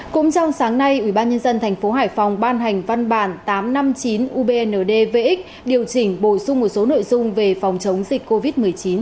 cũng trong sáng nay ubnd tp hcm ban hành văn bản tám trăm năm mươi chín ubnd vx điều chỉnh bồi sung một số nội dung về phòng chống dịch covid một mươi chín